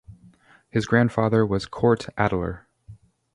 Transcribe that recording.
His grandfather was Cort Adeler.